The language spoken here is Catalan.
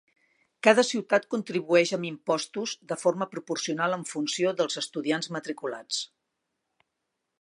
Cada ciutat contribueix amb impostos de forma proporcional en funció dels estudiants matriculats.